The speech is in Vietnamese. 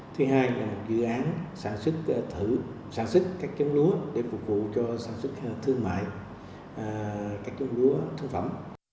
thứ hai là dự án sản xuất các chống lúa để phục vụ cho sản xuất thương mại các chống lúa thương phẩm